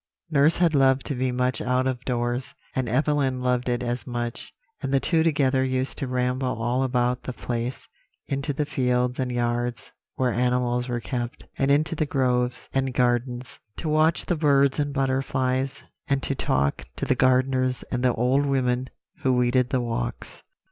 "Nurse had loved to be much out of doors, and Evelyn loved it as much; and the two together used to ramble all about the place, into the fields and yards where animals were kept, and into the groves and gardens to watch the birds and butterflies, and to talk to the gardeners and the old women who weeded the walks.